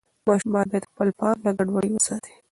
ماشومان باید خپل پام له ګډوډۍ وساتي.